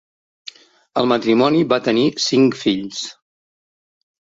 El matrimoni va tenir cinc fills.